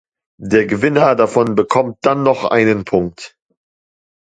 Der Gewinner davon bekommt dann noch einen Punkt.